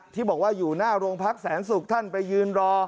ที่บอกว่าอยู่หน้าโรงพักแสนศุกร์ท่านไปยืนรอ